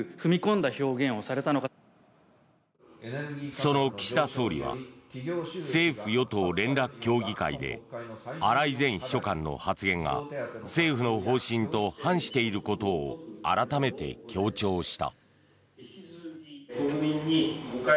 その岸田総理は政府与党連絡協議会で荒井前秘書官の発言が政府の方針と反していることを改めて強調した。